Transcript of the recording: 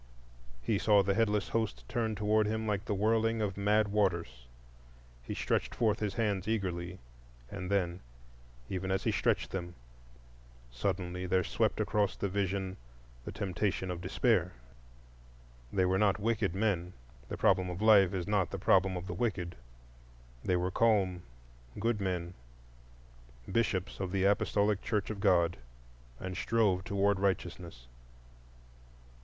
He saw the headless host turn toward him like the whirling of mad waters,—he stretched forth his hands eagerly, and then, even as he stretched them, suddenly there swept across the vision the temptation of Despair. They were not wicked men,—the problem of life is not the problem of the wicked,—they were calm, good men, Bishops of the Apostolic Church of God, and strove toward righteousness.